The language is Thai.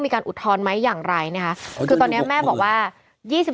มีการอุดทนไหมอย่างไรเนี้ยค่ะคือตอนนี้แม่บอกว่ายี่สิบ